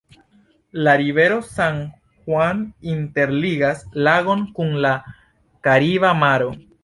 La rivero San-Juan interligas lagon kun la Kariba Maro.